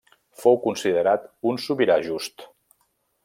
Fou considerat un sobirà just.